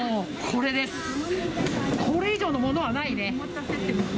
これ以上のものはないね。